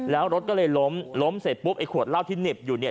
แล้วรถก็เลยล้มล้มเสร็จปุ๊บไอ้ขวดเหล้าที่เหน็บอยู่เนี่ย